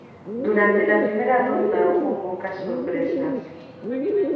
Durante la primera ronda hubo pocas sorpresas.